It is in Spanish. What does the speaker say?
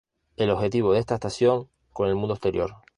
El objetivo de esta estación con el mundo exterior.